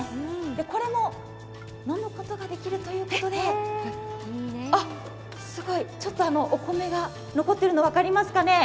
これも飲むことができるということで、あ、すごい、ちょっとお米が残っているの分かりますかね。